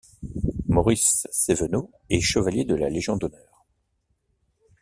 Maurice Séveno est chevalier de la Légion d'honneur.